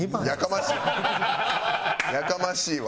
やかましいわ。